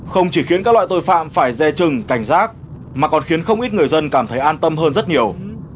không chỉ khiến các loại tội phạm phải dè trừng cảnh giác mà còn khiến không ít người dân cảm thấy an tâm hơn rất nhiều